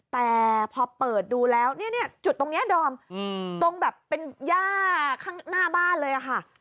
แต่พอเปิดดูแล้วเนี่ยจุดตรงนี้ดอมตรงแบบเป็นย่าข้างหน้าบ้านเลยค่ะ